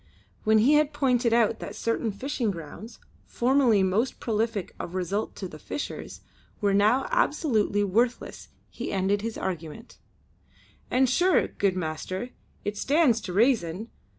When he had pointed out that certain fishing grounds, formerly most prolific of result to the fishers, were now absolutely worthless he ended his argument: "And, sure, good master, it stands to rayson.